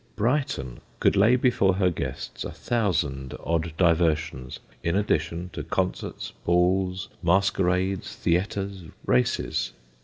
Brighton could lay before her guests a thousand odd diversions, in addition to concerts, balls, masquerades, theatres, races.